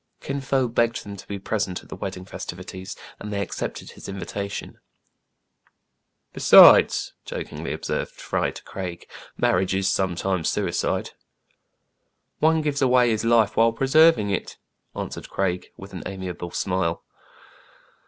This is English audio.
Kin Fo begged them to be present at the wedding festivi ties, and they accepted his invitation. "Besides, jokingly observed Fry to Craig, "marriage is sometimes suicide." " One gives away his life while preserving it," answered Craig, with an amiable smile.